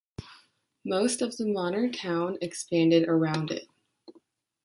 Most of the modern town expanded around it.